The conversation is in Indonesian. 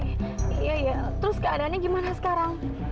iya iya terus keadaannya gimana sekarang